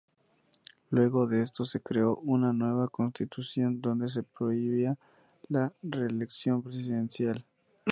Luego de esto se creó una nueva constitución donde se prohibía la reelección presidencial.